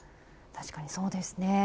確かにそうですね。